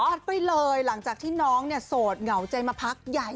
ขอบเพิ่งไปเลยหลังจากที่น้องโสดเหงาใจมาพักใหญ่